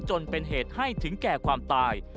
จนเป็นเหตุให้ถึงแก่ความตาย